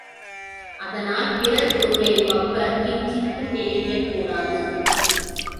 அதனால் பிறர் பொருளை வெளவக் கிஞ்சித்தும் நினைக்கக் கூடாது.